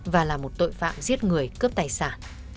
và là một tội phạm giết người cướp tài sản